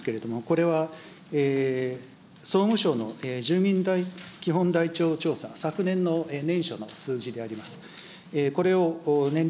お手元に配布している資料の１でありますけれども、これは総務省の住民基本台帳調査、昨年の年初の数字であります。